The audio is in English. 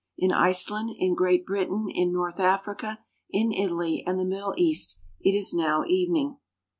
In Iceland, in Great Britain, in North Africa, in Italy and the Middle East, it is now evening.